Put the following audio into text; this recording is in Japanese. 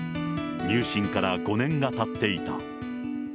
入信から５年がたっていた。